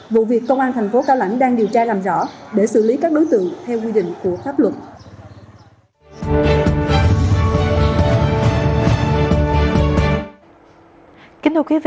vụ việc công an thành phố cao lãnh đang điều tra làm rõ để xử lý các đối tượng theo quy định của pháp luật